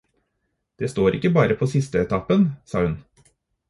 Det står ikke bare på sisteetappen, sa hun.